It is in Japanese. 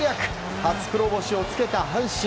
初黒星を付けた阪神。